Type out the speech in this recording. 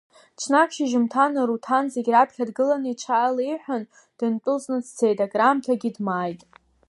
Ҽнак шьыжьымҭан, Аруҭан зегь раԥхьа дгылан иҽааилеиҳәан, дындәылҵны дцеит, акраамҭагьы дмааит.